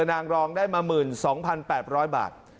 นางลองได้มาหมื่น๒๘๐๐บาท